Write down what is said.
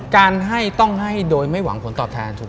การให้ต้องให้โดยไม่หวังผลตอบแทนถูกไหม